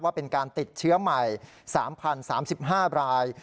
ว่าเป็นการติดเชื้อใหม่๓๐๓๕ราย